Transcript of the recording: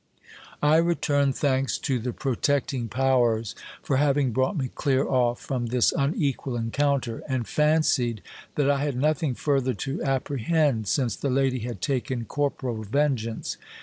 I returned thanks to the protecting powers for having brought me clear off from this unequal encounter, and fancied that I had nothing further to appre hend, since the lady had taken corporal vengeance.